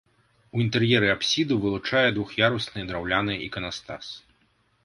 У інтэр'еры апсіду вылучае двух'ярусны драўляны іканастас.